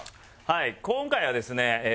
はい今回はですね